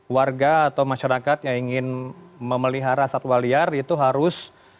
warga atau masyarakat yang ingin memelihara satwa liar itu harus